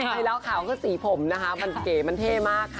ใช่แล้วขาวคือสีผมนะคะมันเก๋มันเท่มากค่ะ